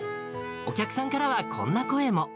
お客さんからはこんな声も。